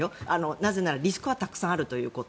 なぜならリスクはたくさんあるということ。